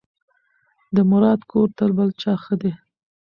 د مراد کور تر بل چا ښه دی.